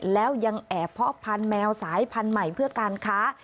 แล้วยังแอบเพาะพันธุ์แมวสายพันธุ์ใหม่เพื่อการค้า